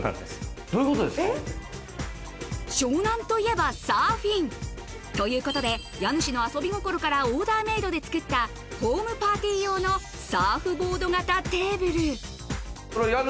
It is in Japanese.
湘南といえばサーフィンということで家主の遊び心からオーダーメイドで作ったホームパーティー用のサーフボード型テーブルいや私。